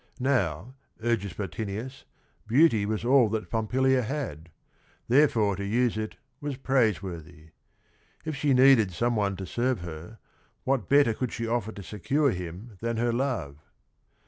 Now, urges Bottinius, beauty was all that Pompilia had ; therefore to use it was praiseworthy. If she needed some one to serve her, what better could she offer to secure him than her love?